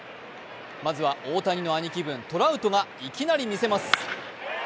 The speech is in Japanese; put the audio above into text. まずは大谷の兄貴分・トラウトがいきなり見せます。